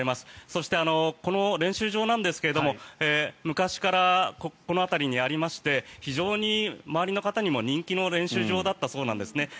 そして、この練習場なんですが昔からこの辺りにありまして非常に周りの方にも人気の練習場だったそうなんです。